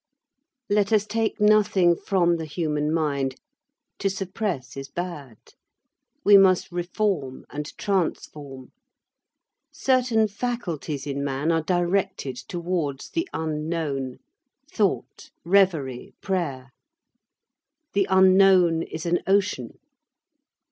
Let us take nothing from the human mind; to suppress is bad. We must reform and transform. Certain faculties in man are directed towards the Unknown; thought, reverie, prayer. The Unknown is an ocean.